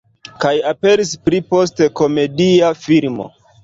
Kaj aperis pli poste komedia filmo.